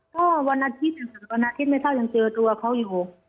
ก็วันอาทิตย์นะคะวันอาทิตย์ไม่เท่ายังเจอตัวเขาอยู่